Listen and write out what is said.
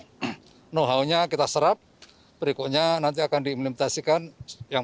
know how nya kita serap berikutnya nanti akan diimplementasikan